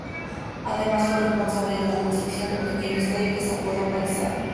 Además, fue responsable de la construcción de un pequeño estadio, que se apodó "Baixada".